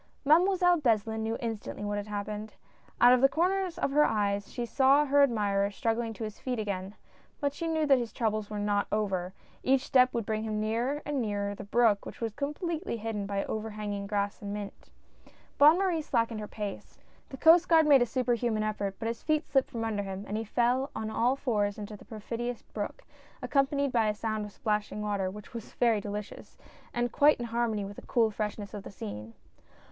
Mademoiselle Beslin knew instantly what had hap pened. Out of the corners of her eyes she saw her admirer struggling to his feet again ; but she knew that his troubles were not over, as each step would bring him nearer and nearer the brook, which was completely hidden by overhanging grass and mint. Bonne Marie slackened her pace. The Coast Guard made a superhuman effort, but his feet slipped from under him, and he fell on all fours into the perfidious brook, accompanied by a sound of splashing water, which was very delicious, and quite in harmony with the cool freshness of the scene. GOING TO MAKKET.